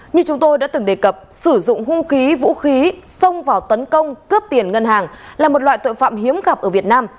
như chúng tôi đã từng đề cập sử dụng hung khí vũ khí xông vào tấn công cướp tiền ngân hàng là một loại tội phạm hiếm gặp ở việt nam